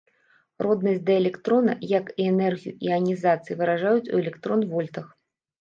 Роднасць да электрона, як і энергію іанізацыі, выражаюць у электрон-вольтах.